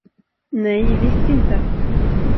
Nej, visst inte.